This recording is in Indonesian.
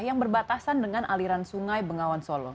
yang berbatasan dengan aliran sungai bengawan solo